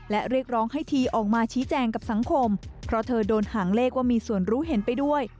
และเรียกร้องให้ทีออกมาชี้แจงกับสังคมเพราะเธอโดนหางเลขว่ามีส่วนรู้เห็นไปด้วย